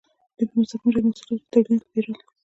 دوی په مستقیم ډول محصولات له تولیدونکو پیرل.